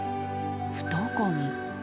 不登校に。